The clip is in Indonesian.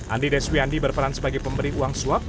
andi deswiyandi berperan sebagai pemberi uang suap